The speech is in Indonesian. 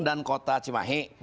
dan kota cimahi